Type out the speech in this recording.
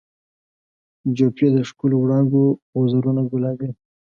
جوپې د ښکلو وړانګو وزرونه ګلابي